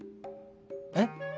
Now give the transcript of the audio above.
えっ？